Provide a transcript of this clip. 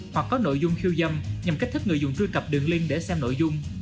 hoặc có nội dung khiêu dâm nhằm kích thích người dùng truy cập đường link để xem nội dung